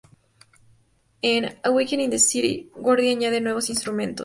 En "A Weekend in the City", Gordy añade nuevos instrumentos.